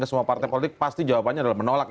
semua partai politik pasti jawabannya adalah menolak